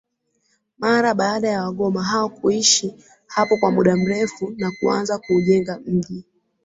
mara baada ya Wagoma hao kuishi hapo kwa Muda mrefu Na kuanza kuujenga mji